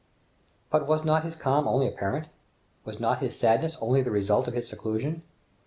But was not his calm only apparent? Was not his sadness only the result of his seclusion?